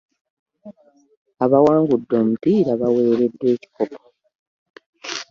Abaawangudde omupiira baaweereddwa ekikopo.